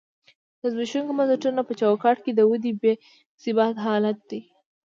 د زبېښونکو بنسټونو په چوکاټ کې د ودې بې ثباته حالت دی.